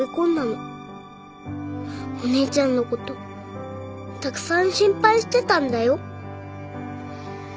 お姉ちゃんのことたくさん心配してたんだよ。